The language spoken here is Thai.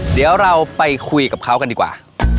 เดี๋ยวเราไปคุยกับเขากันดีกว่า